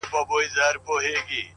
علم د پرمختګ اساس جوړوي